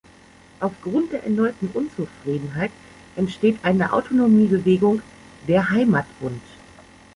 Aufgrund der erneuten Unzufriedenheit entsteht eine Autonomiebewegung: der „Heimatbund“.